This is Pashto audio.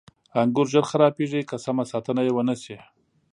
• انګور ژر خرابېږي که سمه ساتنه یې ونه شي.